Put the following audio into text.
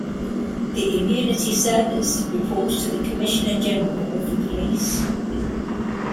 The Immunity Service reports to the Commissioner General of the Police.